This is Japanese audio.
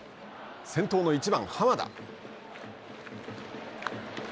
先頭の１番濱田。